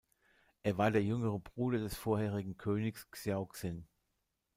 Er war der jüngere Bruder des vorherigen Königs Xiao Xin.